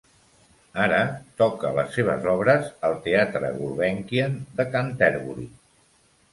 Ara toca les seves obres al Teatre Gulbenkian de Canterbury.